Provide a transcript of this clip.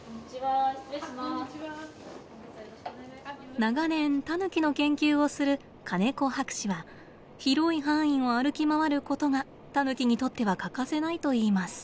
長年タヌキの研究をする金子博士は広い範囲を歩き回ることがタヌキにとっては欠かせないといいます。